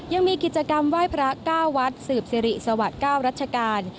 ยังมีกิจกรรมไหว้พระ๙วัดสืบสิริสวัสดิ์๙รัชกาล